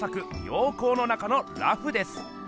「陽光の中の裸婦」です。